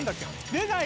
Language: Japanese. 出ない。